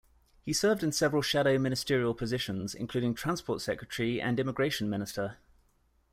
He served in several shadow ministerial positions, including Transport Secretary and Immigration Minister.